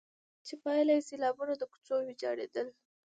چي پايله يې سيلابونه، د کوڅو ويجاړېدل،